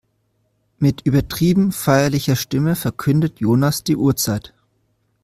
Mit übertrieben feierlicher Stimme verkündet Jonas die Uhrzeit.